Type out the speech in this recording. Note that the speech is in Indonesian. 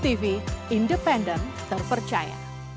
dapat juga kewenangan khusus